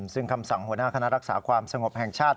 ซึ่งคำสั่งหัวหน้าคณะรักษาความสงบแห่งชาติ